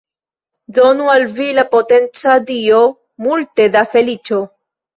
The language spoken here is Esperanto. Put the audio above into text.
Donu al vi la potenca Dio multe da feliĉo.